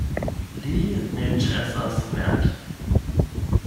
Li ne ĉesas verki.